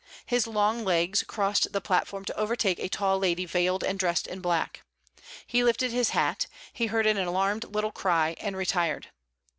His long legs crossed the platform to overtake a tall lady veiled and dressed in black. He lifted his hat; he heard an alarmed little cry and retired.